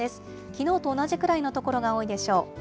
きのうと同じくらいの所が多いでしょう。